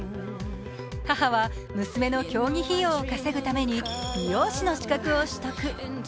母は娘の競技費用を稼ぐために美容師の資格を取得。